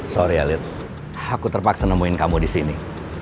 sorry elit aku terpaksa nemuin kamu di sini